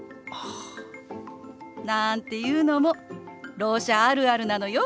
なんていうのも「ろう者あるある」なのよ。